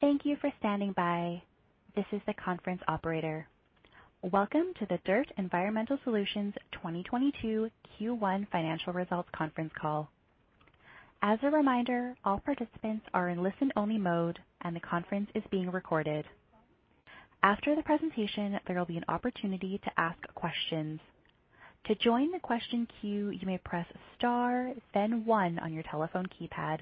Thank you for standing by. This is the conference operator. Welcome to the DIRTT Environmental Solutions 2022 Q1 financial results conference call. As a reminder, all participants are in listen-only mode, and the conference is being recorded. After the presentation, there will be an opportunity to ask questions. To join the question queue, you may press star then one on your telephone keypad.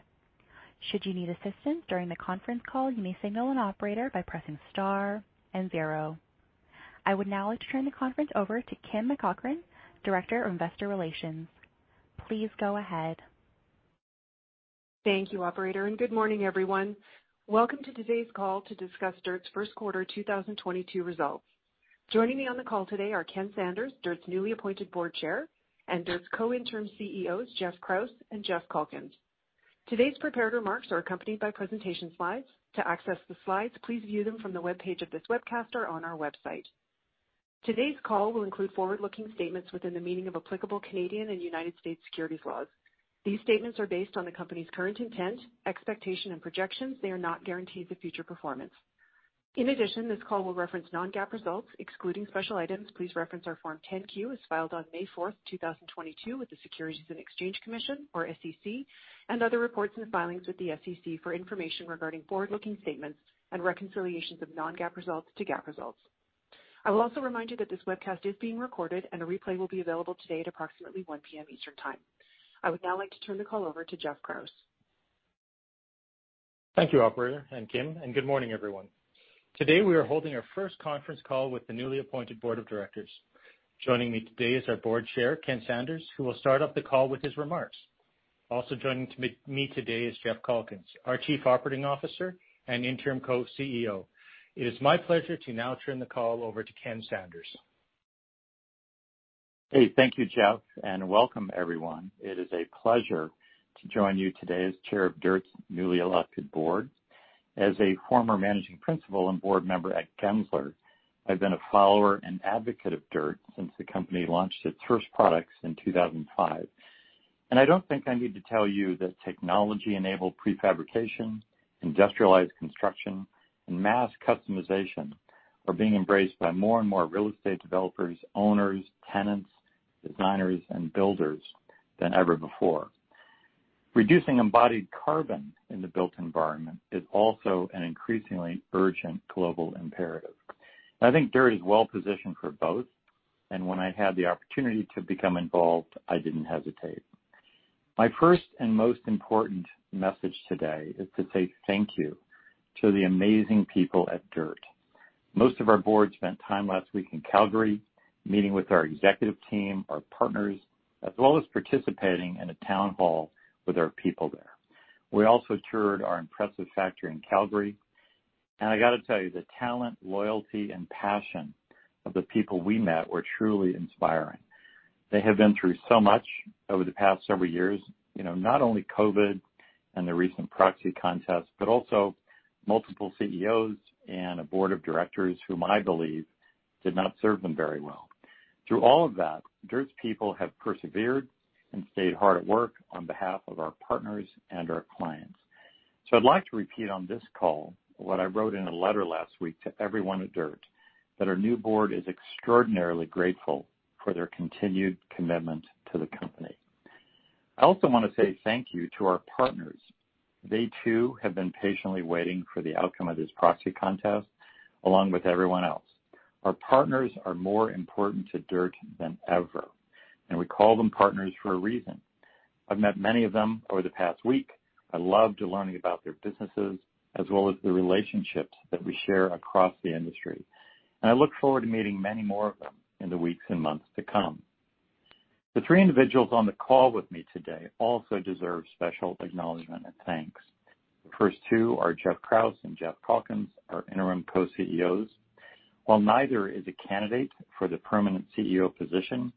Should you need assistance during the conference call, you may signal an operator by pressing star and zero. I would now like to turn the conference over to Kim MacEachern, Director of Investor Relations. Please go ahead. Thank you, operator, and good morning, everyone. Welcome to today's call to discuss DIRTT's first quarter 2022 results. Joining me on the call today are Ken Sanders, DIRTT's newly appointed board chair, and DIRTT's co-interim CEOs, Geoff Krause and Jeff Calkins. Today's prepared remarks are accompanied by presentation slides. To access the slides, please view them from the webpage of this webcast on our website. Today's call will include forward-looking statements within the meaning of applicable Canadian and United States securities laws. These statements are based on the company's current intent, expectation, and projections. They are not guarantees of future performance. In addition, this call will reference non-GAAP results, excluding special items. Please reference our Form 10-Q, as filed on May 4, 2022, with the Securities and Exchange Commission, or SEC, and other reports and filings with the SEC for information regarding forward-looking statements and reconciliations of non-GAAP results to GAAP results. I will also remind you that this webcast is being recorded and a replay will be available today at approximately 1:00 P.M. Eastern Time. I would now like to turn the call over to Geoffrey Krause. Thank you, operator, and Kim, and good morning, everyone. Today, we are holding our first conference call with the newly appointed board of directors. Joining me today is our Board Chair, Ken Sanders, who will start off the call with his remarks. Also joining me today is Jeffrey Calkins, our Chief Operating Officer and Interim Co-CEO. It is my pleasure to now turn the call over to Ken Sanders. Hey. Thank you, Jeff, and welcome, everyone. It is a pleasure to join you today as chair of DIRTT's newly elected board. As a former managing principal and board member at Gensler, I've been a follower and advocate of DIRTT since the company launched its first products in 2005. I don't think I need to tell you that technology-enabled prefabrication, industrialized construction, and mass customization are being embraced by more and more real estate developers, owners, tenants, designers, and builders than ever before. Reducing embodied carbon in the built environment is also an increasingly urgent global imperative. I think DIRTT is well positioned for both, and when I had the opportunity to become involved, I didn't hesitate. My first and most important message today is to say thank you to the amazing people at DIRTT. Most of our board spent time last week in Calgary, meeting with our executive team, our partners, as well as participating in a town hall with our people there. We also toured our impressive factory in Calgary. I gotta tell you, the talent, loyalty, and passion of the people we met were truly inspiring. They have been through so much over the past several years. You know, not only COVID and the recent proxy contest, but also multiple CEOs and a board of directors whom I believe did not serve them very well. Through all of that, DIRTT's people have persevered and stayed hard at work on behalf of our partners and our clients. I'd like to repeat on this call what I wrote in a letter last week to everyone at DIRTT, that our new board is extraordinarily grateful for their continued commitment to the company. I also wanna say thank you to our partners. They too have been patiently waiting for the outcome of this proxy contest, along with everyone else. Our partners are more important to DIRTT than ever, and we call them partners for a reason. I've met many of them over the past week. I loved learning about their businesses as well as the relationships that we share across the industry. I look forward to meeting many more of them in the weeks and months to come. The three individuals on the call with me today also deserve special acknowledgement and thanks. The first two are Geoff Krause and Jeff Calkins, our interim co-CEOs. While neither is a candidate for the permanent CEO position,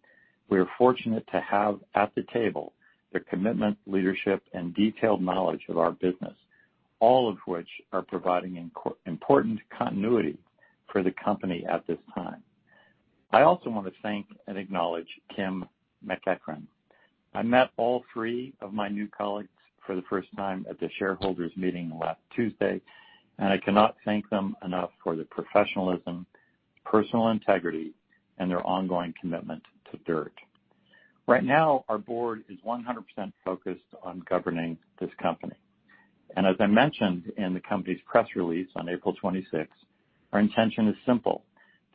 we are fortunate to have at the table their commitment, leadership, and detailed knowledge of our business, all of which are providing important continuity for the company at this time. I also want to thank and acknowledge Kim MacEachern. I met all three of my new colleagues for the first time at the shareholders meeting last Tuesday, and I cannot thank them enough for their professionalism, personal integrity, and their ongoing commitment to DIRTT. Right now, our board is 100% focused on governing this company. As I mentioned in the company's press release on April 26th, our intention is simple: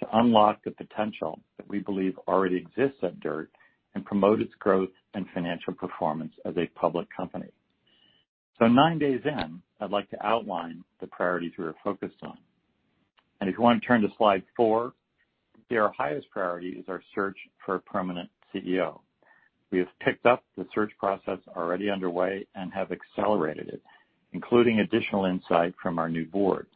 to unlock the potential that we believe already exists at DIRTT and promote its growth and financial performance as a public company. Nine days in, I'd like to outline the priorities we are focused on. If you wanna turn to slide four, their highest priority is our search for a permanent CEO. We have picked up the search process already underway and have accelerated it, including additional insight from our new board.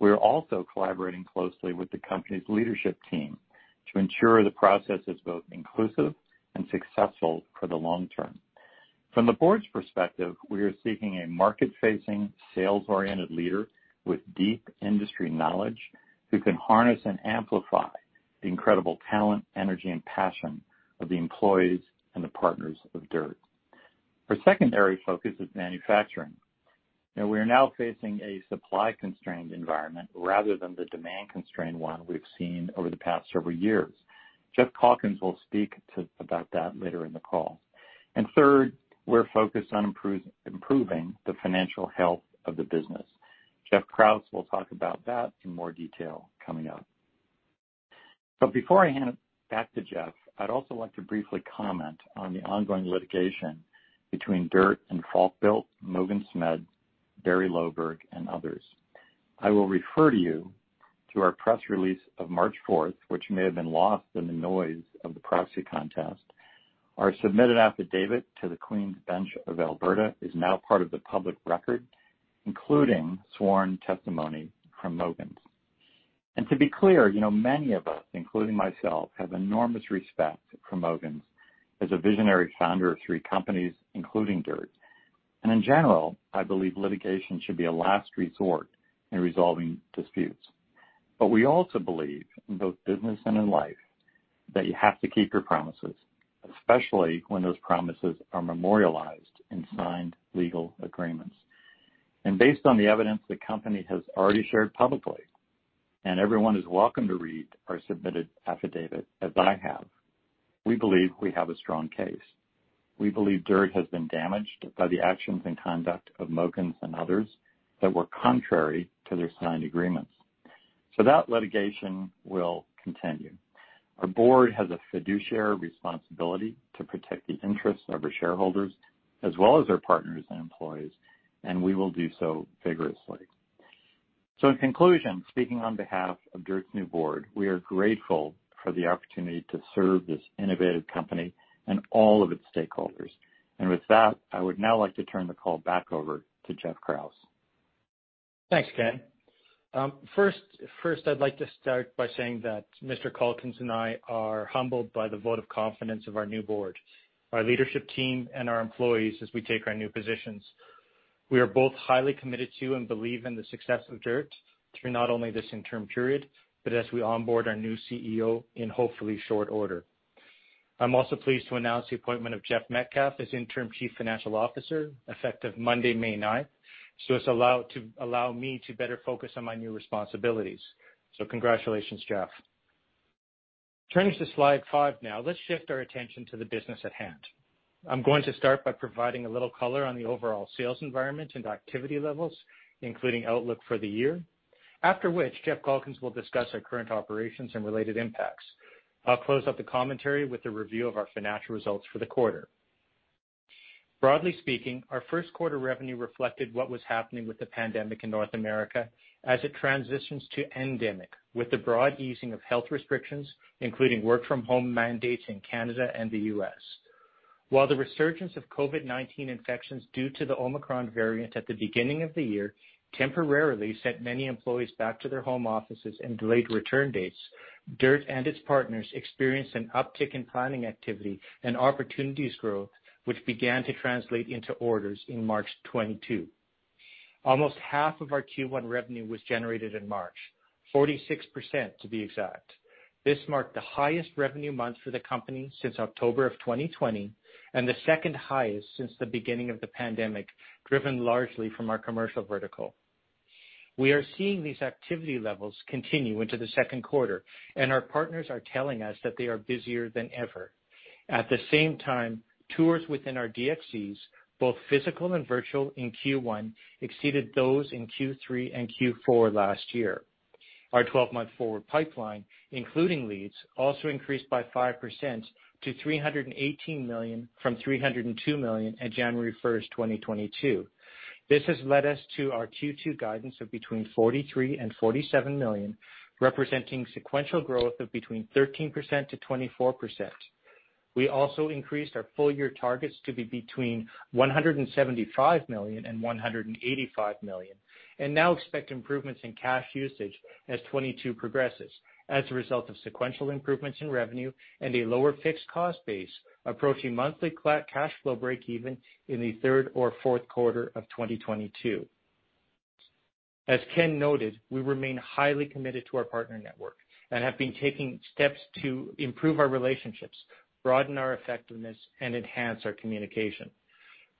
We are also collaborating closely with the company's leadership team to ensure the process is both inclusive and successful for the long term. From the board's perspective, we are seeking a market-facing, sales-oriented leader with deep industry knowledge who can harness and amplify the incredible talent, energy, and passion of the employees and the partners of DIRTT. Our secondary focus is manufacturing. Now we are facing a supply-constrained environment rather than the demand-constrained one we've seen over the past several years. Jeff Calkins will speak about that later in the call. Third, we're focused on improving the financial health of the business. Geoff Krause will talk about that in more detail coming up. Before I hand it back to Jeff, I'd also like to briefly comment on the ongoing litigation between DIRTT and Falkbuilt, Mogens Smed, Barrie Loberg, and others. I will refer to you to our press release of March fourth, which may have been lost in the noise of the proxy contest. Our submitted affidavit to the Queen's Bench of Alberta is now part of the public record, including sworn testimony from Mogens. To be clear, you know, many of us, including myself, have enormous respect for Mogens as a visionary founder of three companies, including DIRTT. In general, I believe litigation should be a last resort in resolving disputes. We also believe in both business and in life, that you have to keep your promises, especially when those promises are memorialized in signed legal agreements. Based on the evidence the company has already shared publicly, and everyone is welcome to read or submitted affidavit as I have, we believe we have a strong case. We believe DIRTT has been damaged by the actions and conduct of Mogens and others that were contrary to their signed agreements. That litigation will continue. Our board has a fiduciary responsibility to protect the interests of our shareholders as well as our partners and employees, and we will do so vigorously. In conclusion, speaking on behalf of DIRTT's new board, we are grateful for the opportunity to serve this innovative company and all of its stakeholders. With that, I would now like to turn the call back over to Geoff Krause. Thanks, Ken. First, I'd like to start by saying that Mr. Calkins and I are humbled by the vote of confidence of our new board, our leadership team, and our employees as we take our new positions. We are both highly committed to and believe in the success of DIRTT through not only this interim period, but as we onboard our new CEO in hopefully short order. I'm also pleased to announce the appointment of Jeff Metcalf as Interim Chief Financial Officer, effective Monday, May 9th, so as to allow me to better focus on my new responsibilities. Congratulations, Jeff. Turning to slide five now, let's shift our attention to the business at hand. I'm going to start by providing a little color on the overall sales environment and activity levels, including outlook for the year, after which Jeffrey Calkins will discuss our current operations and related impacts. I'll close up the commentary with a review of our financial results for the quarter. Broadly speaking, our first quarter revenue reflected what was happening with the pandemic in North America as it transitions to endemic, with the broad easing of health restrictions, including work from home mandates in Canada and the U.S. While the resurgence of COVID-19 infections due to the Omicron variant at the beginning of the year temporarily sent many employees back to their home offices and delayed return dates, DIRTT and its partners experienced an uptick in planning activity and opportunities growth, which began to translate into orders in March 2022. Almost half of our Q1 revenue was generated in March, 46% to be exact. This marked the highest revenue month for the company since October 2020, and the second highest since the beginning of the pandemic, driven largely from our commercial vertical. We are seeing these activity levels continue into the second quarter, and our partners are telling us that they are busier than ever. At the same time, tours within our DXCs, both physical and virtual in Q1, exceeded those in Q3 and Q4 last year. Our twelve-month forward pipeline, including leads, also increased by 5% to $318 million from $302 million at January 1, 2022. This has led us to our Q2 guidance of between $43 million-$47 million, representing sequential growth of between 13%-24%. We also increased our full year targets to be between $175 million and $185 million, and now expect improvements in cash usage as 2022 progresses as a result of sequential improvements in revenue and a lower fixed cost base approaching monthly cash flow break even in the third or fourth quarter of 2022. As Ken noted, we remain highly committed to our partner network and have been taking steps to improve our relationships, broaden our effectiveness, and enhance our communication.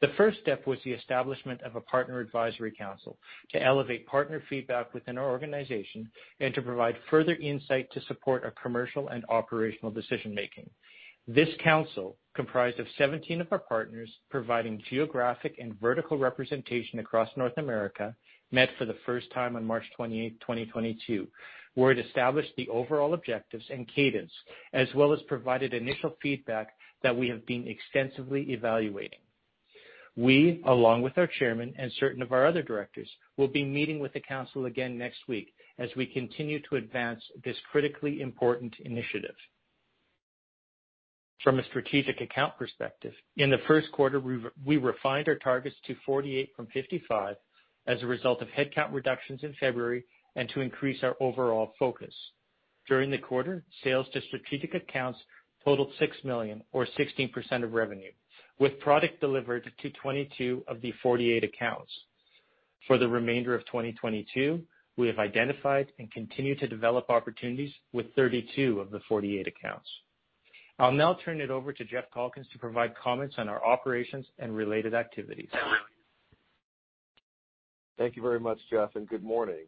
The first step was the establishment of a partner advisory council to elevate partner feedback within our organization and to provide further insight to support our commercial and operational decision-making. This council, comprised of 17 of our partners providing geographic and vertical representation across North America, met for the first time on March 28, 2022 where it established the overall objectives and cadence, as well as provided initial feedback that we have been extensively evaluating. We, along with our chairman and certain of our other directors, will be meeting with the council again next week as we continue to advance this critically important initiative. From a strategic account perspective, in the first quarter, we refined our targets to 48 from 55 as a result of headcount reductions in February and to increase our overall focus. During the quarter, sales to strategic accounts totaled $6 million or 16% of revenue, with product delivered to 22 of the 48 accounts. For the remainder of 2022, we have identified and continue to develop opportunities with 32 of the 48 accounts. I'll now turn it over to Jeffrey Calkins to provide comments on our operations and related activities. Thank you very much, Jeff, and good morning.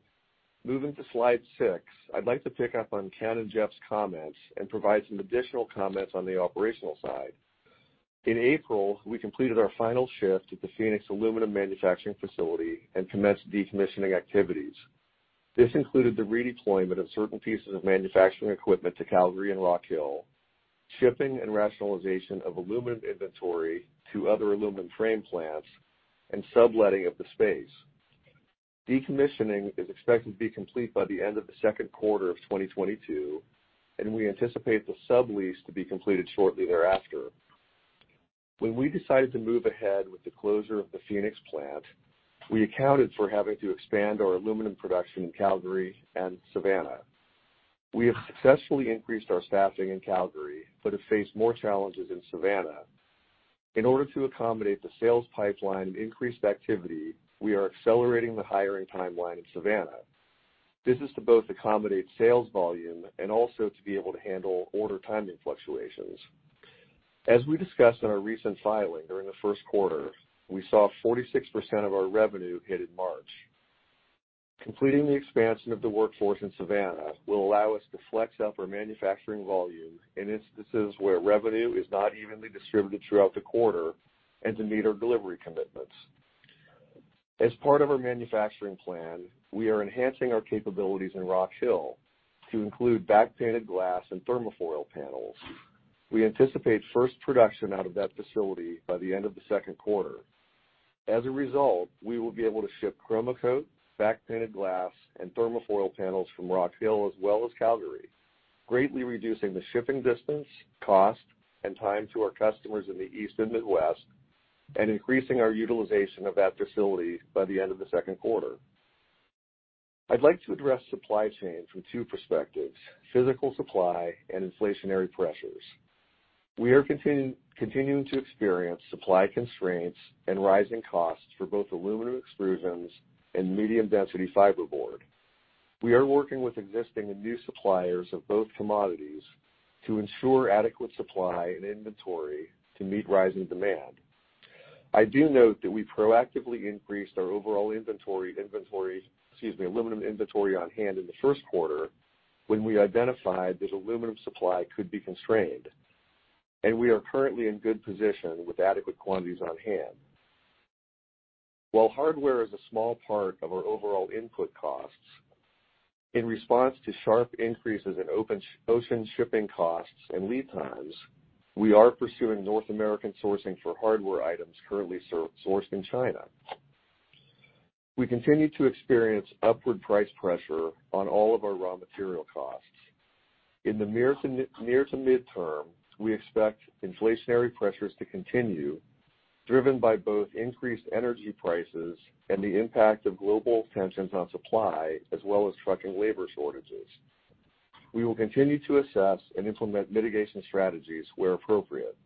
Moving to slide six, I'd like to pick up on Ken and Jeff's comments and provide some additional comments on the operational side. In April, we completed our final shift at the Phoenix aluminum manufacturing facility and commenced decommissioning activities. This included the redeployment of certain pieces of manufacturing equipment to Calgary and Rock Hill, shipping and rationalization of aluminum inventory to other aluminum frame plants, and subletting of the space. Decommissioning is expected to be complete by the end of the second quarter of 2022, and we anticipate the sublease to be completed shortly thereafter. When we decided to move ahead with the closure of the Phoenix plant, we accounted for having to expand our aluminum production in Calgary and Savannah. We have successfully increased our staffing in Calgary but have faced more challenges in Savannah. In order to accommodate the sales pipeline and increased activity, we are accelerating the hiring timeline in Savannah. This is to both accommodate sales volume and also to be able to handle order timing fluctuations. As we discussed in our recent filing during the first quarter, we saw 46% of our revenue hit in March. Completing the expansion of the workforce in Savannah will allow us to flex up our manufacturing volume in instances where revenue is not evenly distributed throughout the quarter and to meet our delivery commitments. As part of our manufacturing plan, we are enhancing our capabilities in Rock Hill to include back-painted glass and Thermofoil panels. We anticipate first production out of that facility by the end of the second quarter. As a result, we will be able to ship Chromacoat, back-painted glass, and Thermofoil panels from Rock Hill as well as Calgary, greatly reducing the shipping distance, cost, and time to our customers in the East and Midwest, and increasing our utilization of that facility by the end of the second quarter. I'd like to address supply chain from two perspectives, physical supply and inflationary pressures. We are continuing to experience supply constraints and rising costs for both aluminum extrusions and medium-density fiberboard. We are working with existing and new suppliers of both commodities to ensure adequate supply and inventory to meet rising demand. I do note that we proactively increased our overall aluminum inventory on-hand in the first quarter when we identified that aluminum supply could be constrained, and we are currently in good position with adequate quantities on-hand. While hardware is a small part of our overall input costs, in response to sharp increases in open ocean shipping costs and lead times, we are pursuing North American sourcing for hardware items currently sourced in China. We continue to experience upward price pressure on all of our raw material costs. In the near to mid-term, we expect inflationary pressures to continue, driven by both increased energy prices and the impact of global tensions on supply, as well as truck and labor shortages. We will continue to assess and implement mitigation strategies where appropriate.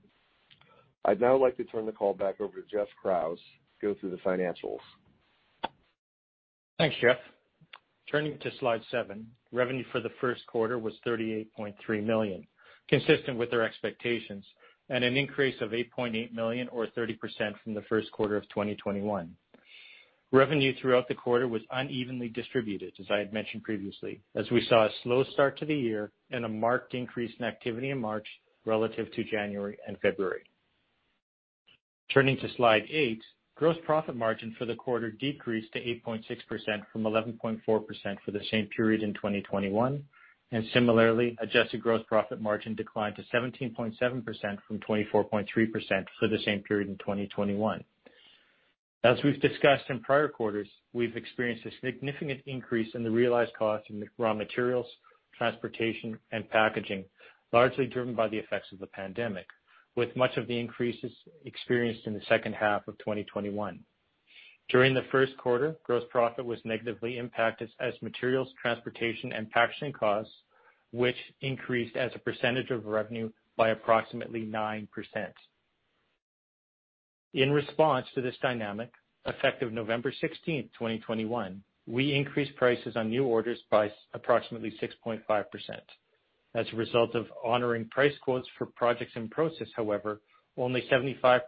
I'd now like to turn the call back over to Geoffrey Krause to go through the financials. Thanks, Jeff. Turning to slide seven, revenue for the first quarter was $38.3 million, consistent with our expectations, and an increase of $8.8 million or 30% from the first quarter of 2021. Revenue throughout the quarter was unevenly distributed, as I had mentioned previously, as we saw a slow start to the year and a marked increase in activity in March relative to January and February. Turning to slide eight, gross profit margin for the quarter decreased to 8.6% from 11.4% for the same period in 2021, and similarly, adjusted gross profit margin declined to 17.7% from 24.3% for the same period in 2021. As we've discussed in prior quarters, we've experienced a significant increase in the realized cost in raw materials, transportation, and packaging, largely driven by the effects of the pandemic, with much of the increases experienced in the second half of 2021. During the first quarter, gross profit was negatively impacted as materials, transportation, and packaging costs, which increased as a percentage of revenue by approximately 9%. In response to this dynamic, effective November sixteenth, 2021, we increased prices on new orders by approximately 6.5%. As a result of honoring price quotes for projects in process, however, only 75%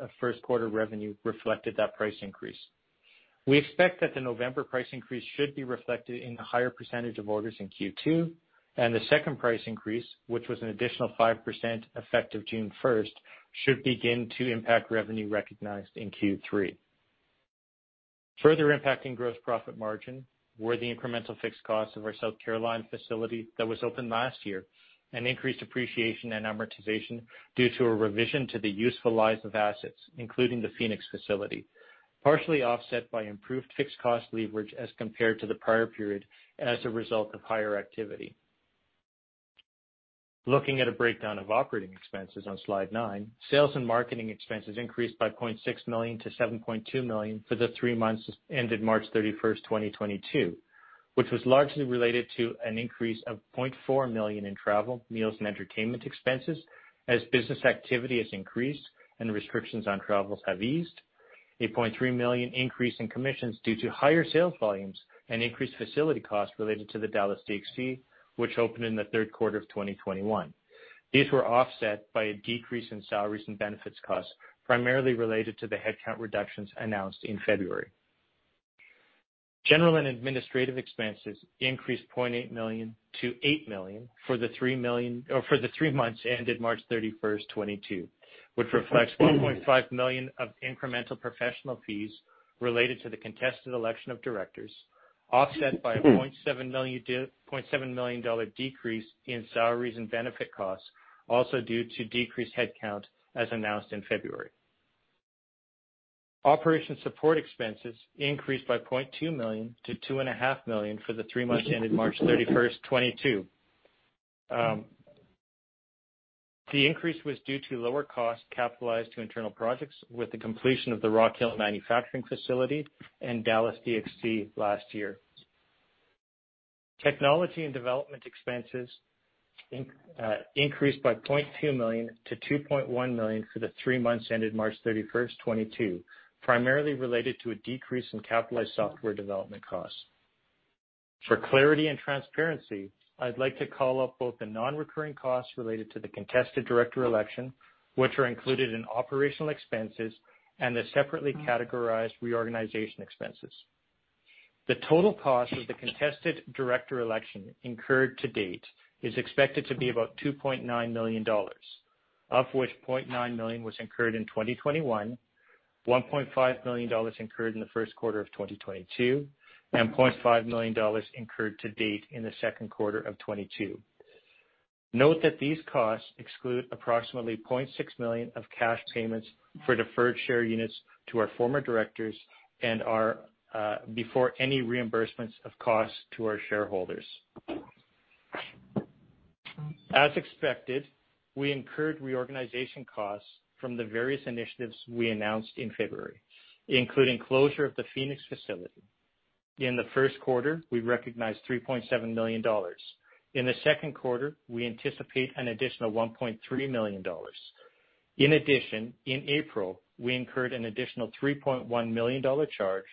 of first quarter revenue reflected that price increase. We expect that the November price increase should be reflected in the higher percentage of orders in Q2, and the second price increase, which was an additional 5% effective June first, should begin to impact revenue recognized in Q3. Further impacting gross profit margin were the incremental fixed costs of our South Carolina facility that was opened last year and increased depreciation and amortization due to a revision to the useful lives of assets, including the Phoenix facility, partially offset by improved fixed cost leverage as compared to the prior period as a result of higher activity. Looking at a breakdown of operating expenses on slide nine, sales and marketing expenses increased by $0.6 million-$7.2 million for the three months ended March 31, 2022. Which was largely related to an increase of $0.4 million in travel, meals, and entertainment expenses as business activity has increased and restrictions on travels have eased. A $0.3 million increase in commissions due to higher sales volumes and increased facility costs related to the Dallas DXC, which opened in the third quarter of 2021. These were offset by a decrease in salaries and benefits costs, primarily related to the headcount reductions announced in February. General and administrative expenses increased $0.8 million-$8 million for the three months ended March 31, 2022, which reflects $1.5 million of incremental professional fees related to the contested election of directors, offset by a $0.7 million decrease in salaries and benefit costs, also due to decreased headcount as announced in February. Operations support expenses increased by $0.2 million-$2.5 million for the three months ending March 31, 2022. The increase was due to lower costs capitalized to internal projects with the completion of the Rock Hill manufacturing facility and Dallas DXC last year. Technology and development expenses increased by $0.2 million-$2.1 million for the three months ended March 31, 2022, primarily related to a decrease in capitalized software development costs. For clarity and transparency, I'd like to call up both the non-recurring costs related to the contested director election, which are included in operational expenses, and the separately categorized reorganization expenses. The total cost of the contested director election incurred to date is expected to be about $2.9 million, of which $0.9 million was incurred in 2021, $1.5 million incurred in the first quarter of 2022, and $0.5 million incurred to date in the second quarter of 2022. Note that these costs exclude approximately 0.6 million of cash payments for deferred share units to our former directors and are before any reimbursements of costs to our shareholders. As expected, we incurred reorganization costs from the various initiatives we announced in February, including closure of the Phoenix facility. In the first quarter, we recognized $3.7 million. In the second quarter, we anticipate an additional $1.3 million. In addition, in April, we incurred an additional $3.1 million charge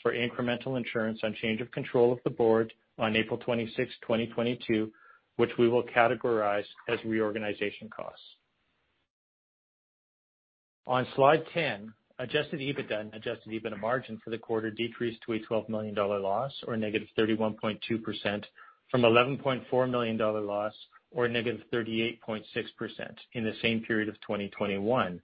for incremental insurance on change of control of the board on April 26, 2022, which we will categorize as reorganization costs. On slide ten, adjusted EBITDA and adjusted EBITDA margin for the quarter decreased to a $12 million loss or -31.2% from $11.4 million loss or -38.6% in the same period of 2021,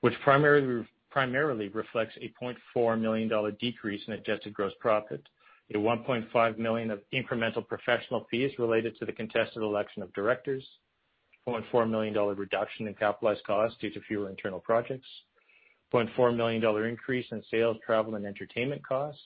which primarily reflects a $0.4 million decrease in adjusted gross profit, a $1.5 million of incremental professional fees related to the contested election of directors, $0.4 million reduction in capitalized costs due to fewer internal projects, $0.4 million increase in sales, travel, and entertainment costs,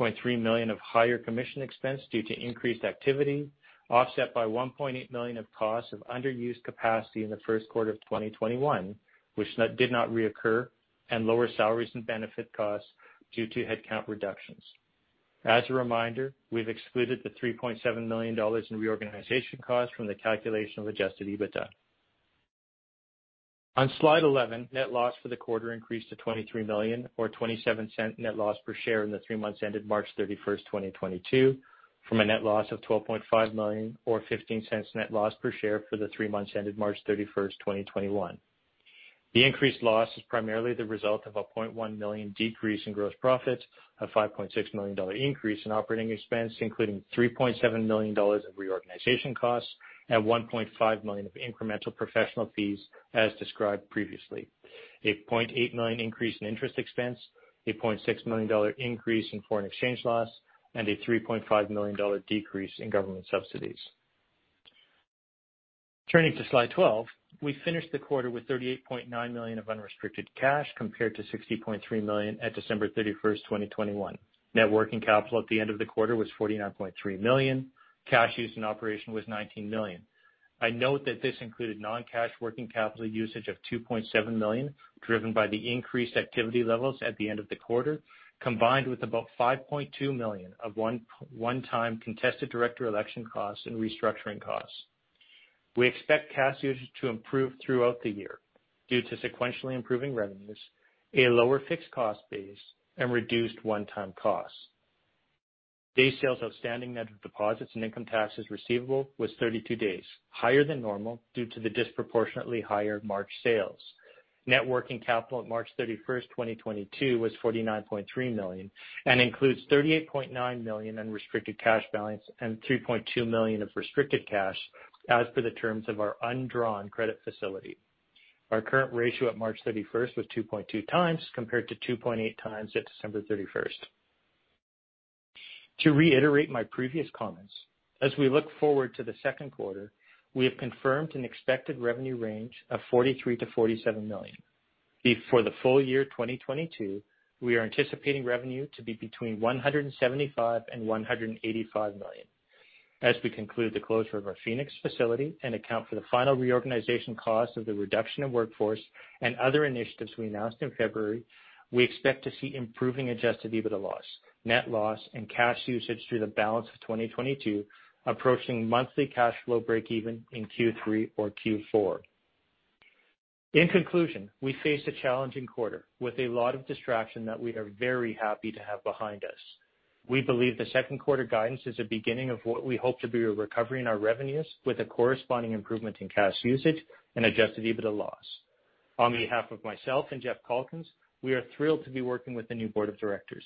$0.3 million of higher commission expense due to increased activity, offset by $1.8 million of costs of underused capacity in the first quarter of 2021, which did not reoccur, and lower salaries and benefit costs due to headcount reductions. As a reminder, we've excluded the $3.7 million in reorganization costs from the calculation of Adjusted EBITDA. On slide 11, net loss for the quarter increased to $23 million or $0.27 net loss per share in the three months ended March 31, 2022 from a net loss of $12.5 million or $0.15 net loss per share for the three months ended March 31, 2021. The increased loss is primarily the result of a $0.1 million decrease in gross profit, a $5.6 million increase in operating expense, including $3.7 million of reorganization costs and $1.5 million of incremental professional fees as described previously. A $0.8 million increase in interest expense, a $0.6 million increase in foreign exchange loss, and a $3.5 million decrease in government subsidies. Turning to slide 12, we finished the quarter with $38.9 million of unrestricted cash compared to $60.3 million at December 31, 2021. Net working capital at the end of the quarter was $49.3 million. Cash used in operations was $19 million. I note that this included non-cash working capital usage of $2.7 million, driven by the increased activity levels at the end of the quarter, combined with about $5.2 million of one-time contested director election costs and restructuring costs. We expect cash usage to improve throughout the year due to sequentially improving revenues, a lower fixed cost base, and reduced one-time costs. Days sales outstanding net of deposits and income taxes receivable was 32 days, higher than normal due to the disproportionately higher March sales. Net working capital at March 31, 2022, was $49.3 million and includes $38.9 million unrestricted cash balance and $3.2 million of restricted cash as per the terms of our undrawn credit facility. Our current ratio at March 31 was 2.2 times compared to 2.8 times at December 31. To reiterate my previous comments, as we look forward to the second quarter, we have confirmed an expected revenue range of $43 million-$47 million. Before the full year 2022, we are anticipating revenue to be between $175 million and $185 million. As we conclude the closure of our Phoenix facility and account for the final reorganization costs of the reduction in workforce and other initiatives we announced in February, we expect to see improving Adjusted EBITDA loss, net loss, and cash usage through the balance of 2022, approaching monthly cash flow breakeven in Q3 or Q4. In conclusion, we faced a challenging quarter with a lot of distraction that we are very happy to have behind us. We believe the second quarter guidance is a beginning of what we hope to be a recovery in our revenues with a corresponding improvement in cash usage and Adjusted EBITDA loss. On behalf of myself and Jeffrey Calkins, we are thrilled to be working with the new board of directors.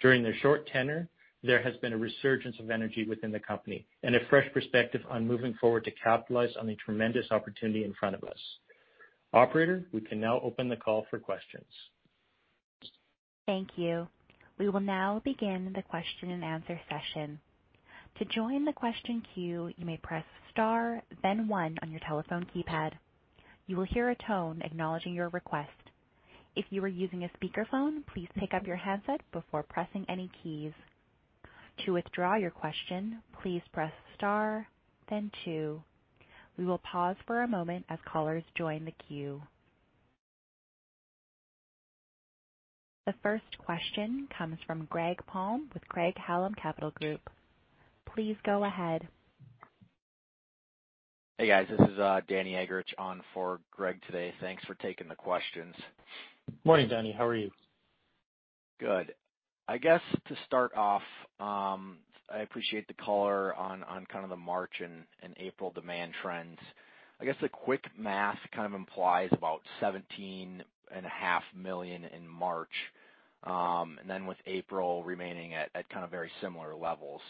During their short tenure, there has been a resurgence of energy within the company and a fresh perspective on moving forward to capitalize on the tremendous opportunity in front of us. Operator, we can now open the call for questions. Thank you. We will now begin the question and answer session. To join the question queue, you may press star then one on your telephone keypad. You will hear a tone acknowledging your request. If you are using a speakerphone, please pick up your handset before pressing any keys. To withdraw your question, please press star then two. We will pause for a moment as callers join the queue. The first question comes from Greg Palm with Craig-Hallum Capital Group. Please go ahead. Hey, guys. This is Danny Eggerichs on for Greg today. Thanks for taking the questions. Morning, Danny. How are you? Good. I guess to start off, I appreciate the color on kind of the March and April demand trends. I guess the quick math kind of implies about $17.5 million in March, and then with April remaining at kind of very similar levels.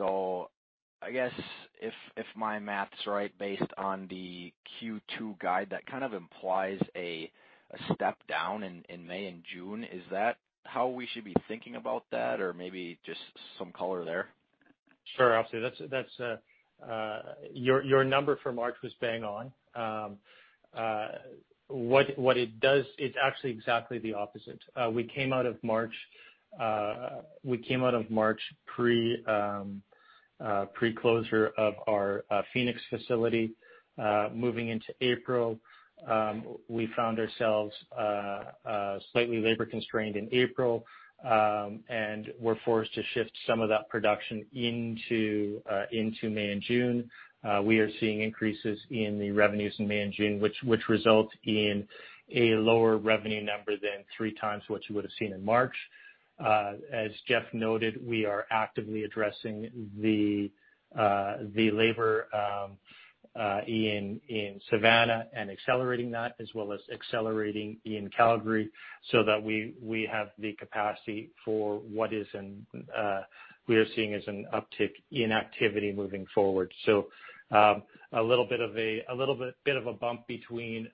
I guess if my math's right, based on the Q2 guide, that kind of implies a step down in May and June. Is that how we should be thinking about that? Or maybe just some color there. Sure. I'll say that's your number for March was bang on. It's actually exactly the opposite. We came out of March pre-closure of our Phoenix facility. Moving into April, we found ourselves slightly labor constrained in April, and were forced to shift some of that production into May and June. We are seeing increases in the revenues in May and June, which result in a lower revenue number than three times what you would have seen in March. As Jeff noted, we are actively addressing the labor in Savannah and accelerating that as well as accelerating in Calgary so that we have the capacity for what we are seeing as an uptick in activity moving forward. A little bit of a bump between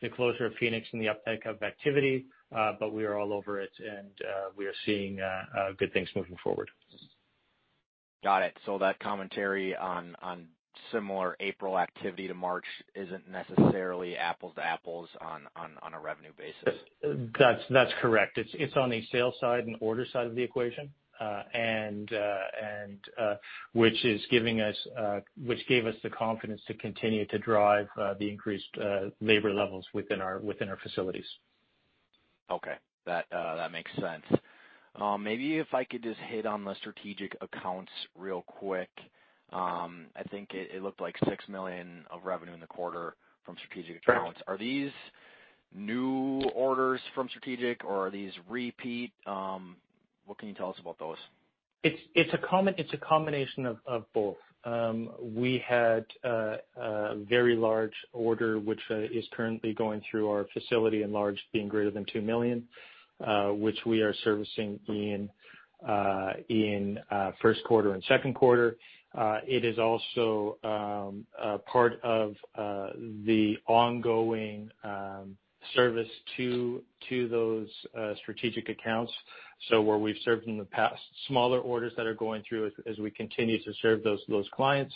the closure of Phoenix and the uptick of activity, but we are all over it and we are seeing good things moving forward. Got it. That commentary on similar April activity to March isn't necessarily apples to apples on a revenue basis. That's correct. It's on the sales side and order side of the equation, and which gave us the confidence to continue to drive the increased labor levels within our facilities. Okay. That makes sense. Maybe if I could just hit on the strategic accounts real quick. I think it looked like $6 million of revenue in the quarter from strategic accounts. Right. Are these new orders from strategic or are these repeat? What can you tell us about those? It's a combination of both. We had a very large order which is currently going through our facility and large being greater than $2 million which we are servicing in first quarter and second quarter. It is also a part of the ongoing service to those strategic accounts. Where we've served in the past, smaller orders that are going through as we continue to serve those clients.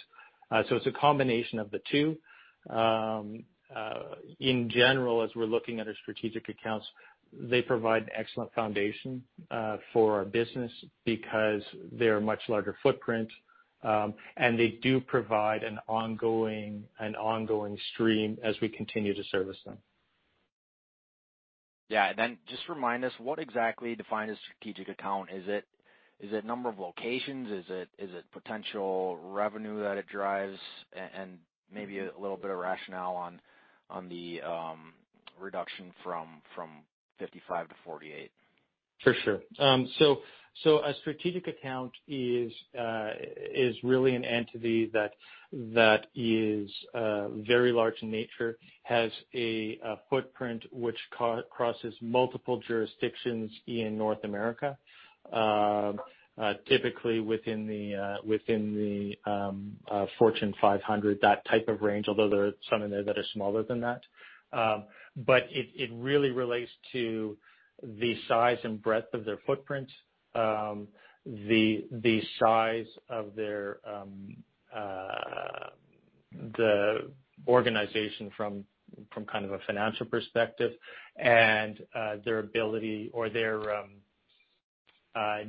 It's a combination of the two. In general, as we're looking at our strategic accounts, they provide excellent foundation for our business because they're much larger footprint, and they do provide an ongoing stream as we continue to service them. Yeah. Then just remind us what exactly defines a strategic account. Is it number of locations? Is it potential revenue that it drives? Maybe a little bit of rationale on the reduction from 55-48. For sure. A strategic account is really an entity that is very large in nature, has a footprint which crosses multiple jurisdictions in North America, typically within the Fortune 500, that type of range, although there are some in there that are smaller than that. It really relates to the size and breadth of their footprint, the size of their organization from kind of a financial perspective and their ability or their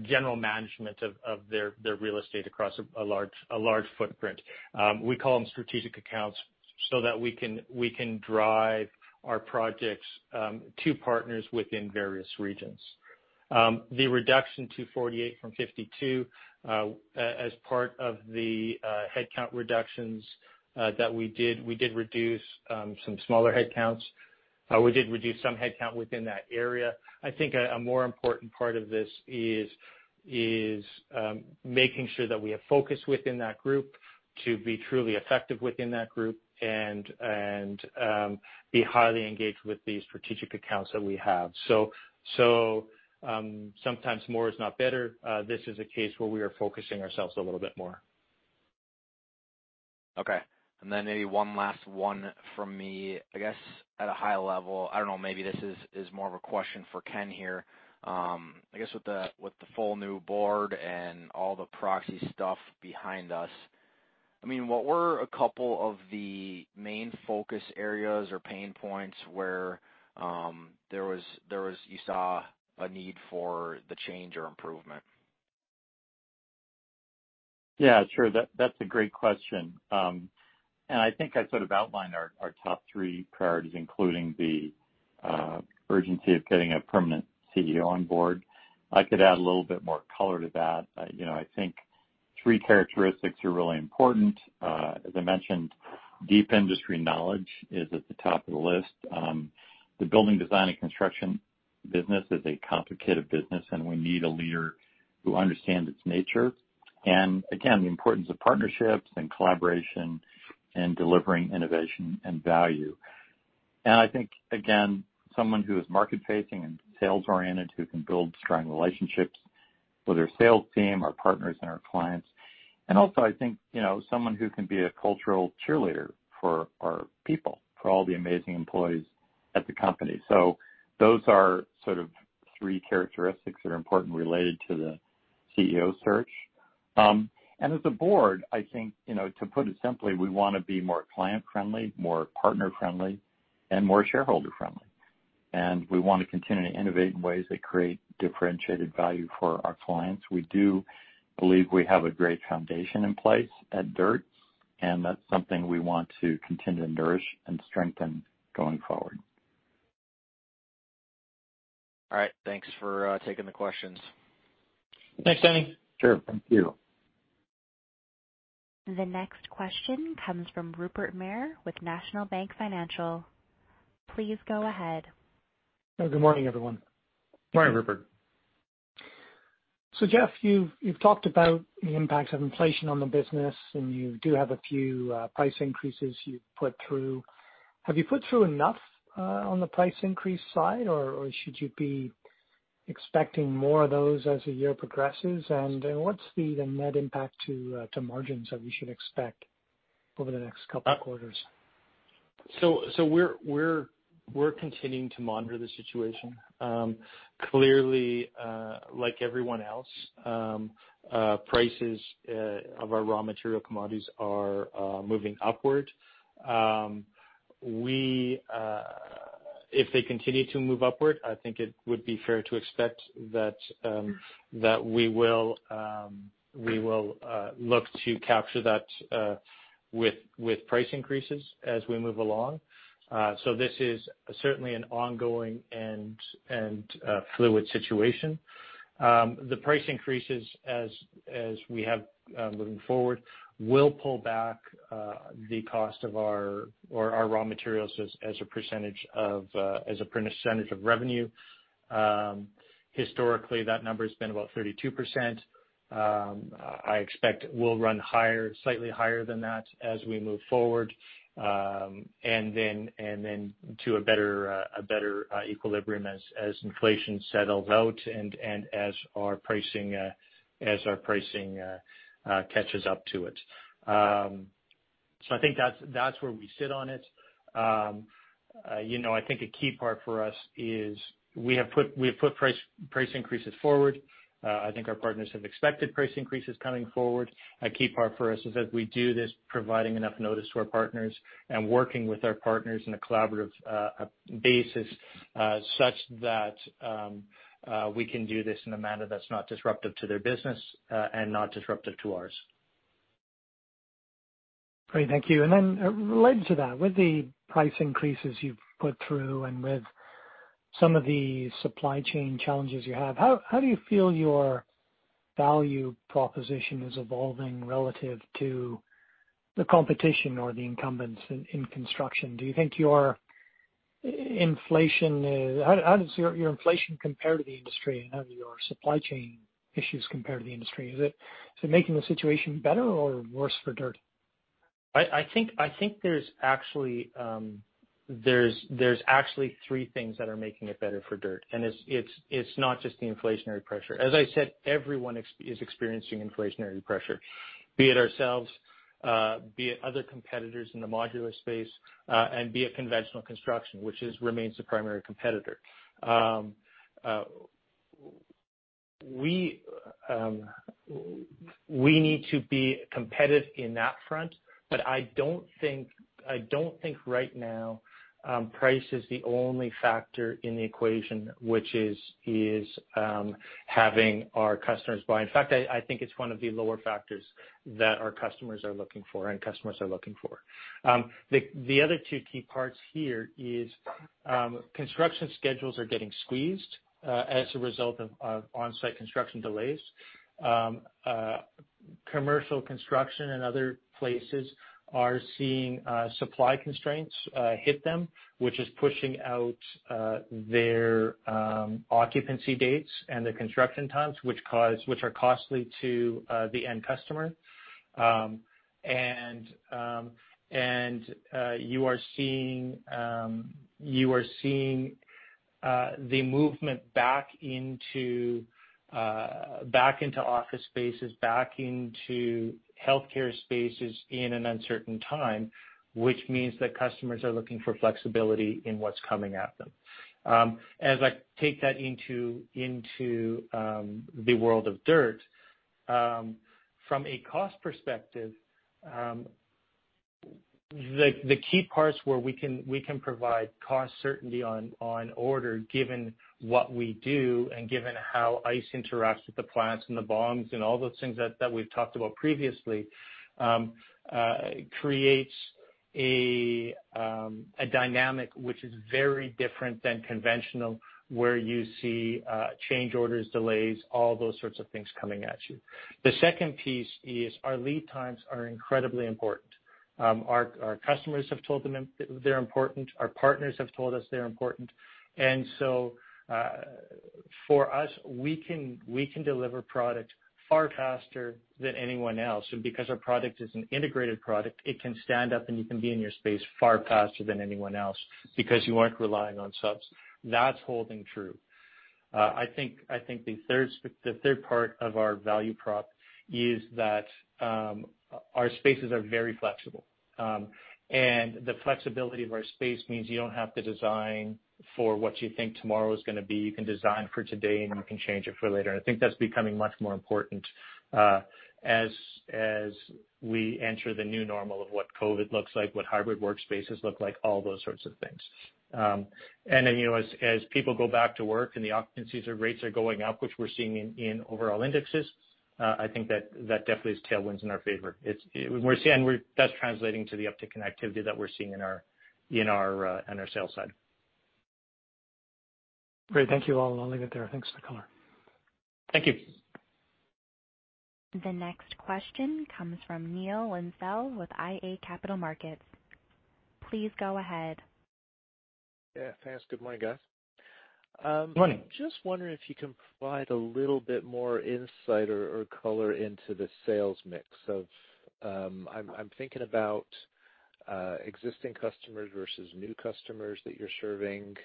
general management of their real estate across a large footprint. We call them strategic accounts so that we can drive our projects to partners within various regions. The reduction to 48 from 52, as part of the headcount reductions that we did reduce some smaller headcounts. We did reduce some headcount within that area. I think a more important part of this is making sure that we have focus within that group to be truly effective within that group and be highly engaged with the strategic accounts that we have. Sometimes more is not better. This is a case where we are focusing ourselves a little bit more. Okay. Maybe one last one from me. I guess at a high level, I don't know, maybe this is more of a question for Ken here. I guess with the full new board and all the proxy stuff behind us, I mean, what were a couple of the main focus areas or pain points where you saw a need for the change or improvement? Yeah, sure. That's a great question. I think I sort of outlined our top three priorities, including the urgency of getting a permanent CEO on board. I could add a little bit more color to that. You know, I think three characteristics are really important. As I mentioned, deep industry knowledge is at the top of the list. The building design and construction business is a complicated business, and we need a leader who understands its nature and again, the importance of partnerships and collaboration and delivering innovation and value. I think, again, someone who is market-facing and sales-oriented, who can build strong relationships with our sales team, our partners, and our clients. I think, you know, someone who can be a cultural cheerleader for our people, for all the amazing employees at the company. Those are sort of three characteristics that are important related to the CEO search. As a board, I think, you know, to put it simply, we wanna be more client-friendly, more partner-friendly, and more shareholder-friendly. We want to continue to innovate in ways that create differentiated value for our clients. We do believe we have a great foundation in place at DIRTT, and that's something we want to continue to nourish and strengthen going forward. All right. Thanks for taking the questions. Thanks, Danny. Sure. Thank you. The next question comes from Rupert Merer with National Bank Financial. Please go ahead. Good morning, everyone. Morning, Rupert. Jeff, you've talked about the impact of inflation on the business, and you do have a few price increases you've put through. Have you put through enough on the price increase side or should you be expecting more of those as the year progresses? And what's the net impact to margins that we should expect over the next couple of quarters? We're continuing to monitor the situation. Clearly, like everyone else, prices of our raw material commodities are moving upward. If they continue to move upward, I think it would be fair to expect that we will look to capture that with price increases as we move along. This is certainly an ongoing and fluid situation. The price increases as we have moving forward will pull back the cost of our raw materials as a percentage of revenue. Historically, that number's been about 32%. I expect we'll run higher, slightly higher than that as we move forward, and then to a better equilibrium as inflation settles out and as our pricing catches up to it. I think that's where we sit on it. You know, I think a key part for us is we have put price increases forward. I think our partners have expected price increases coming forward. A key part for us is that we do this providing enough notice to our partners and working with our partners in a collaborative basis, such that we can do this in a manner that's not disruptive to their business and not disruptive to ours. Great. Thank you. Related to that, with the price increases you've put through and with some of the supply chain challenges you have, how do you feel your value proposition is evolving relative to the competition or the incumbents in construction? Do you think your inflation is. How does your inflation compare to the industry and how do your supply chain issues compare to the industry? Is it making the situation better or worse for DIRTT? I think there's actually three things that are making it better for DIRTT, and it's not just the inflationary pressure. As I said, everyone else is experiencing inflationary pressure, be it ourselves, be it other competitors in the modular space, and be it conventional construction, which remains the primary competitor. We need to be competitive in that front, but I don't think right now price is the only factor in the equation, which is having our customers buy. In fact, I think it's one of the lower factors that our customers are looking for. The other two key parts here is construction schedules are getting squeezed as a result of on-site construction delays. Commercial construction and other places are seeing supply constraints hit them, which is pushing out their occupancy dates and their construction times, which are costly to the end customer. You are seeing the movement back into office spaces, back into healthcare spaces in an uncertain time, which means that customers are looking for flexibility in what's coming at them. As I take that into the world of DIRTT, from a cost perspective, the key parts where we can provide cost certainty on order given what we do and given how ICE interacts with the plants and the BOMs and all those things that we've talked about previously creates a dynamic which is very different than conventional, where you see change orders, delays, all those sorts of things coming at you. The second piece is our lead times are incredibly important. Our customers have told them they're important. Our partners have told us they're important. For us, we can deliver product far faster than anyone else. Because our product is an integrated product, it can stand up, and you can be in your space far faster than anyone else because you aren't relying on subs. That's holding true. I think the third part of our value prop is that, our spaces are very flexible. The flexibility of our space means you don't have to design for what you think tomorrow is gonna be. You can design for today, and you can change it for later. I think that's becoming much more important, as we enter the new normal of what COVID looks like, what hybrid workspaces look like, all those sorts of things. You know, as people go back to work and the occupancies or rates are going up, which we're seeing in overall indexes, I think that definitely is tailwinds in our favor. That's translating to the uptick in activity that we're seeing in our own sales side. Great. Thank you all. I'll leave it there. Thanks for the color. Thank you. The next question comes from Neil Downey with iA Capital Markets. Please go ahead. Yeah. Thanks. Good morning, guys. Morning. Just wondering if you can provide a little bit more insight or color into the sales mix. I'm thinking about existing customers versus new customers that you're serving,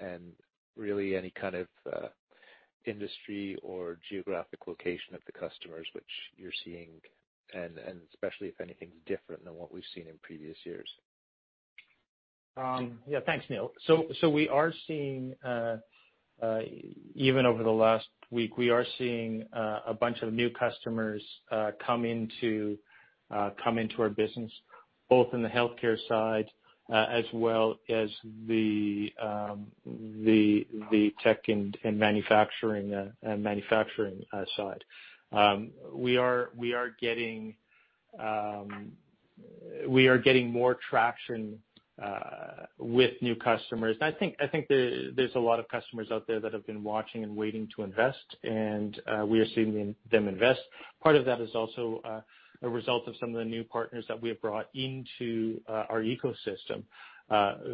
and really any kind of industry or geographic location of the customers which you're seeing, and especially if anything's different than what we've seen in previous years. Yeah. Thanks, Neil. We are seeing, even over the last week, a bunch of new customers come into our business, both in the healthcare side as well as the tech and manufacturing side. We are getting more traction with new customers. I think there's a lot of customers out there that have been watching and waiting to invest, and we are seeing them invest. Part of that is also a result of some of the new partners that we have brought into our ecosystem,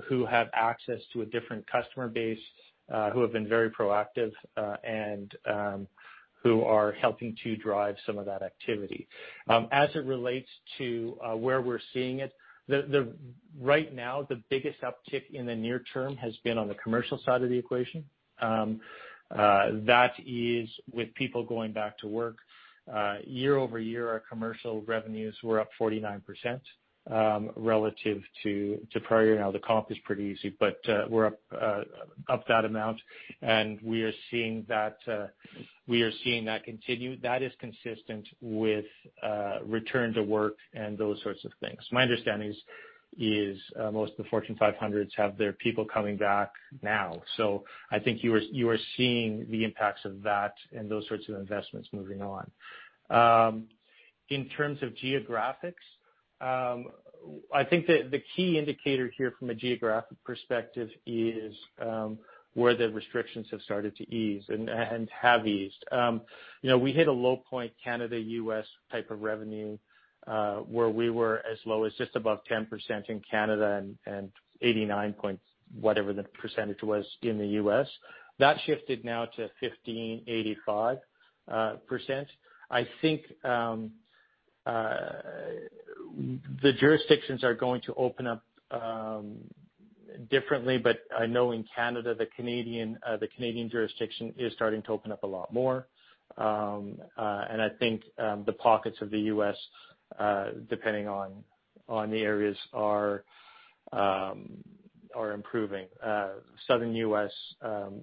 who have access to a different customer base, who have been very proactive, and who are helping to drive some of that activity. As it relates to where we're seeing it, right now, the biggest uptick in the near term has been on the commercial side of the equation. That is with people going back to work. Year-over-year, our commercial revenues were up 49% relative to prior year. Now, the comp is pretty easy, but we're up that amount, and we are seeing that continue. That is consistent with return to work and those sorts of things. My understanding is most of the Fortune 500s have their people coming back now. I think you are seeing the impacts of that and those sorts of investments moving on. In terms of geographics, I think the key indicator here from a geographic perspective is where the restrictions have started to ease and have eased. You know, we hit a low point Canada-U.S. type of revenue where we were as low as just above 10% in Canada and 89-point whatever the percentage was in the U.S. That shifted now to 15%, 85%. I think the jurisdictions are going to open up differently, but I know in Canada the Canadian jurisdiction is starting to open up a lot more. I think the pockets of the U.S., depending on the areas, are improving. Southern U.S.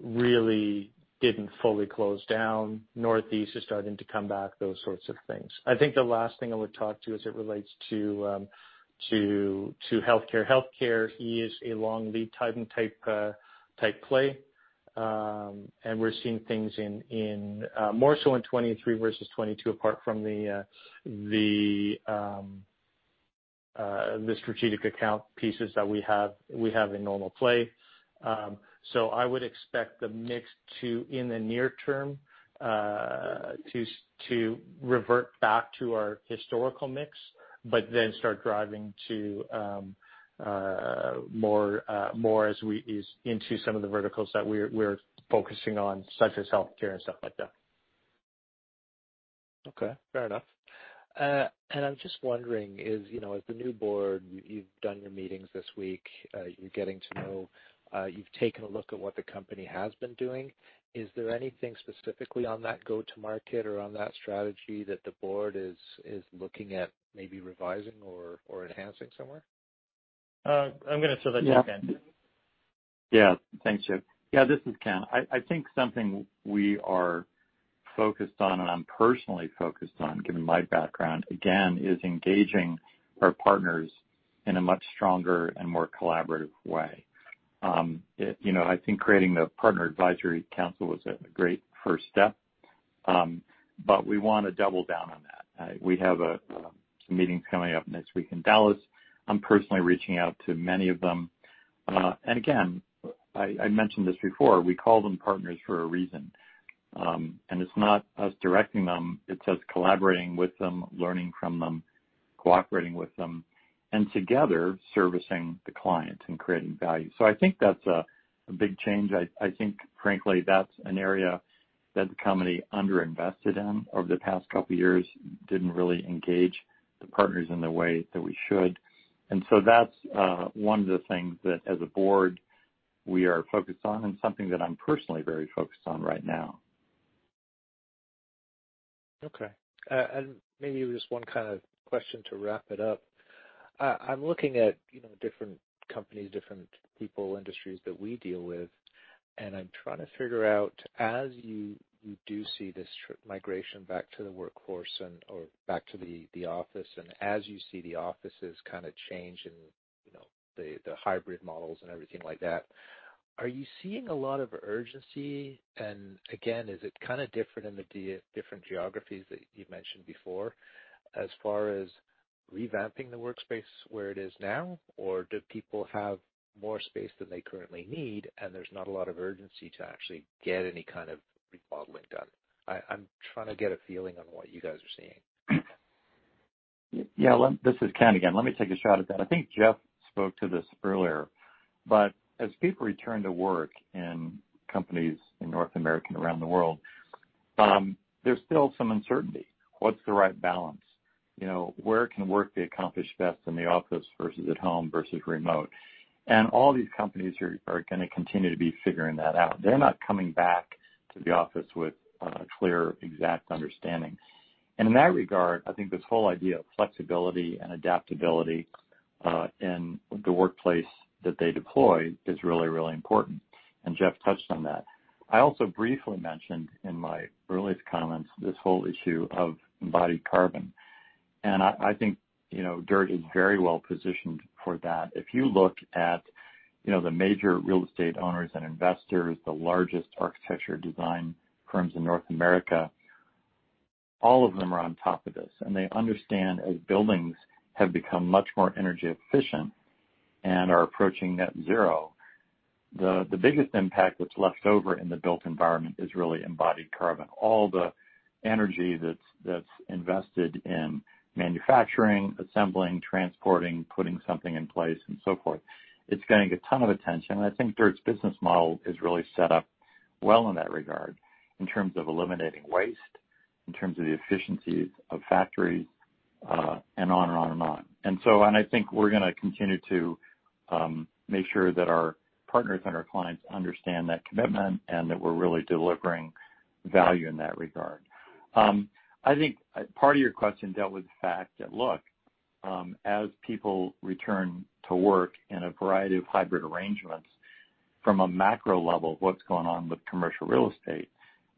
really didn't fully close down. Northeast is starting to come back, those sorts of things. I think the last thing I would talk to as it relates to healthcare. Healthcare is a long lead time type play. We're seeing things in more so in 2023 versus 2022 apart from the strategic account pieces that we have in normal play. I would expect the mix to, in the near term, revert back to our historical mix, but then start driving to more as we ease into some of the verticals that we're focusing on, such as healthcare and stuff like that. Okay, fair enough. I'm just wondering, you know, as the new board, you've done your meetings this week, you're getting to know, you've taken a look at what the company has been doing. Is there anything specifically on that go-to-market or on that strategy that the board is looking at maybe revising or enhancing somewhere? I'm gonna throw that to Ken. Yeah. Thanks, Jeff. This is Ken. I think something we are focused on and I'm personally focused on, given my background, again, is engaging our partners in a much stronger and more collaborative way. You know, I think creating the partner advisory council was a great first step, but we wanna double down on that. We have meetings coming up next week in Dallas. I'm personally reaching out to many of them. And again, I mentioned this before, we call them partners for a reason. And it's not us directing them, it's us collaborating with them, learning from them, cooperating with them, and together servicing the client and creating value. I think that's a big change. I think frankly, that's an area that the company underinvested in over the past couple years, didn't really engage the partners in the way that we should. That's one of the things that as a board we are focused on and something that I'm personally very focused on right now. Okay. Maybe just one kind of question to wrap it up. I'm looking at, you know, different companies, different people, industries that we deal with, and I'm trying to figure out, as you do see this migration back to the workforce or back to the office, and as you see the offices kinda change and, you know, the hybrid models and everything like that, are you seeing a lot of urgency? Again, is it kinda different in the different geographies that you mentioned before as far as revamping the workspace where it is now, or do people have more space than they currently need, and there's not a lot of urgency to actually get any kind of remodeling done? I'm trying to get a feeling on what you guys are seeing. Yeah. This is Ken again. Let me take a shot at that. I think Jeff spoke to this earlier. As people return to work in companies in North America and around the world, there's still some uncertainty. What's the right balance? You know, where can work be accomplished best in the office versus at home versus remote? All these companies are gonna continue to be figuring that out. They're not coming back to the office with a clear, exact understanding. In that regard, I think this whole idea of flexibility and adaptability in the workplace that they deploy is really, really important, and Jeff touched on that. I also briefly mentioned in my earliest comments this whole issue of embodied carbon. I think, you know, DIRTT is very well positioned for that. If you look at, you know, the major real estate owners and investors, the largest architecture design firms in North America, all of them are on top of this. They understand, as buildings have become much more energy efficient and are approaching net zero, the biggest impact that's left over in the built environment is really embodied carbon. All the energy that's invested in manufacturing, assembling, transporting, putting something in place and so forth, it's getting a ton of attention. I think DIRTT's business model is really set up well in that regard in terms of eliminating waste, in terms of the efficiencies of factories, and on and on and on. I think we're gonna continue to make sure that our partners and our clients understand that commitment and that we're really delivering value in that regard. I think part of your question dealt with the fact that, look, as people return to work in a variety of hybrid arrangements from a macro level, what's going on with commercial real estate?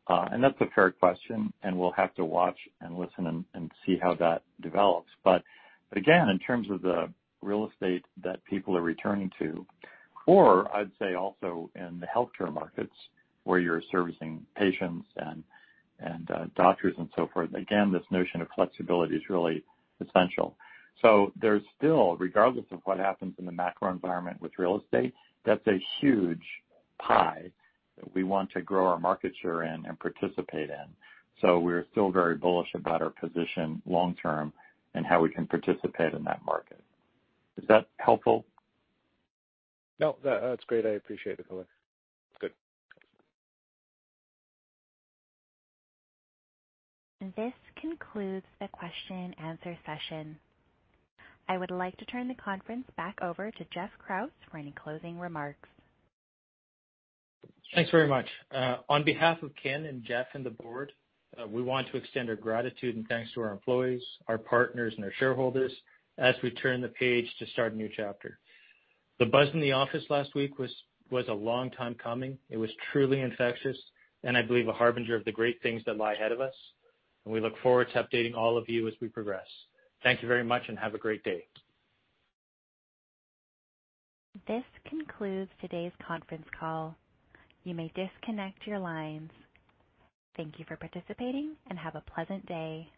That's a fair question, and we'll have to watch and listen and see how that develops. Again, in terms of the real estate that people are returning to, or I'd say also in the healthcare markets, where you're servicing patients and doctors and so forth, this notion of flexibility is really essential. There's still, regardless of what happens in the macro environment with real estate, that's a huge pie that we want to grow our market share in and participate in. We're still very bullish about our position long term and how we can participate in that market. Is that helpful? No, that's great. I appreciate it. Thanks. Good. This concludes the question and answer session. I would like to turn the conference back over to Geoffrey Krause for any closing remarks. Thanks very much. On behalf of Ken and Jeff and the board, we want to extend our gratitude and thanks to our employees, our partners, and our shareholders as we turn the page to start a new chapter. The buzz in the office last week was a long time coming. It was truly infectious, and I believe a harbinger of the great things that lie ahead of us, and we look forward to updating all of you as we progress. Thank you very much and have a great day. This concludes today's conference call. You may disconnect your lines. Thank you for participating and have a pleasant day.